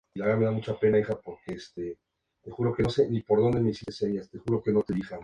Su triunfo le valió ponerse líder provisional del certamen europeo de pilotos.